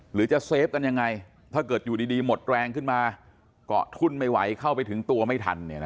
หรือจะเซฟกันยังไงถ้าเกิดอยู่ดีหมดแรงขึ้นมาเกาะทุ่นไม่ไหวเข้าไปถึงตัวไม่ทัน